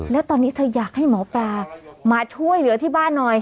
แล้วตอนนี้เธออยากให้หมอปลามาช่วยเหลือที่บ้านหน่อย